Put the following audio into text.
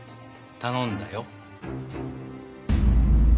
頼んだよ。